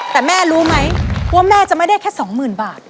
แต่แม่รู้ไหมว่าแม่จะไม่ได้แค่๒๐๐๐บาท